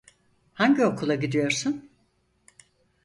Hangi okula gidiyorsun?